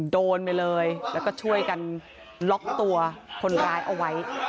โดนไปเลยแล้วก็ช่วยกันล็อกตัวคนร้ายเอาไว้